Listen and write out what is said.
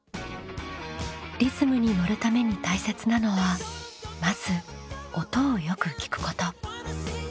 リズムにのるために大切なのはまず音をよく聞くこと。